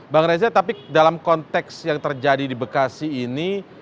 bang reza tapi dalam konteks yang terjadi di bekasi ini